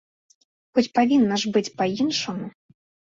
Хоць павінна ж быць па-іншаму.